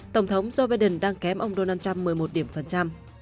tổng thống joe biden đang kém ông donald trump một mươi một điểm phần trăm